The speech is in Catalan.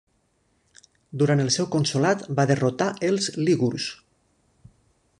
Durant el seu consolat va derrotar els lígurs.